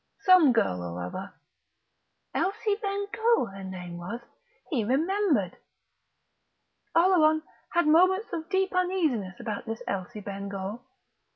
some girl or other ... Elsie Bengough her name was, he remembered.... Oleron had moments of deep uneasiness about this Elsie Bengough.